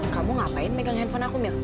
kamu ngapain megang handphone aku milk